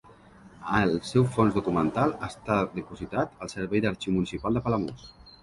El seu fons documental està dipositat al Servei d'Arxiu Municipal de Palamós.